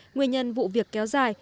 nguyên nhân vụ việc kéo dài